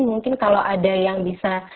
mungkin kalau ada yang bisa